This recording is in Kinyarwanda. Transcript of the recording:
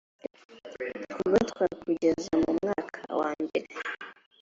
kugotwa kugeza mu mwaka wa mbere